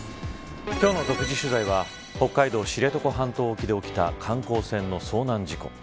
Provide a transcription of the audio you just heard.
今日の独自取材は北海道知床半島沖で起きた観光船の遭難事故。